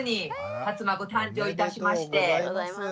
おめでとうございます。